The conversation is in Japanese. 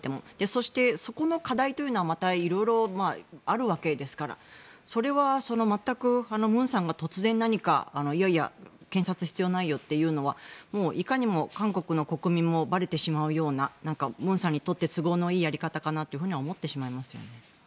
そして、そこの課題というのは色々あるわけですからそれは全く文さんが突然何かいやいや検察必要ないよというのはもういかにも、韓国の国民にもばれてしまうような文さんにとって都合のいいやり方かなとは思ってしまいますね。